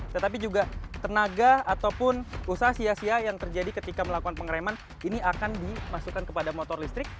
tetapi juga tenaga ataupun usaha sia sia yang terjadi ketika melakukan pengereman ini akan dimasukkan kepada motor listrik